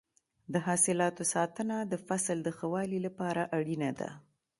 د حاصلاتو ساتنه د فصل د ښه والي لپاره اړینه ده.